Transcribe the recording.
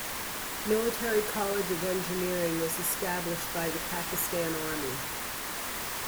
Military College of Engineering was established by the Pakistan Army.